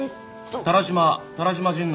田良島田良島甚内。